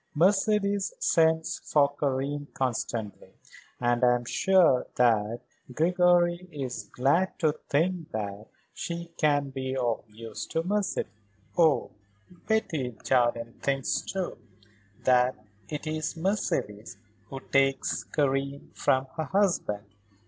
"Mercedes sends for Karen constantly. And I am sure that Gregory is glad to think that she can be of use to Mercedes." "Oh, Betty Jardine thinks, too, that it is Mercedes who takes Karen from her husband.